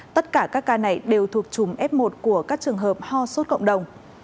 tất cả các ca này đều thuộc chùm f một của các trường hợp ho sốt cộng đồng